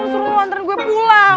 lo suruh lantaran gue pulang